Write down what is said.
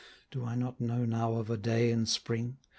Do I not know now of a day in Spring?